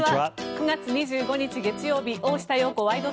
９月２５日、月曜日「大下容子ワイド！